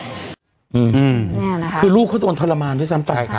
อืมคือลูกเขาจะสมโทรมานด้วยซ้ำไป